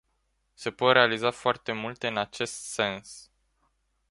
Se pot realiza foarte multe în acest sens.